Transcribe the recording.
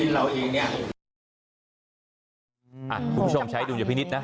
ตัวตัวพวกวินเราเองเนี่ยอ่าคุณผู้ชมใช้ดูอย่าพินิษฐ์นะ